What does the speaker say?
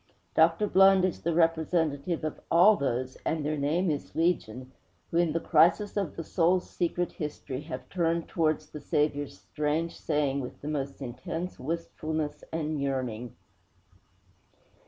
Dr. Blund is the representative of all those and their name is legion who, in the crisis of the soul's secret history, have turned towards the Saviour's strange saying with the most intense wistfulness and yearning.